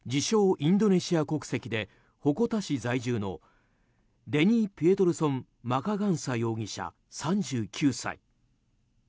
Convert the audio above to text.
インドネシア国籍で鉾田市在住のデニー・ピエトルソン・マカガンサ容疑者、３９歳。